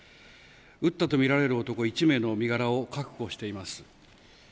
撃ったとみられる男１名の身柄を確保しています。